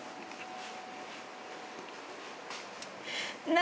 何？